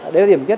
đấy là điểm nhất